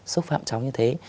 xúc phạm cháu như thế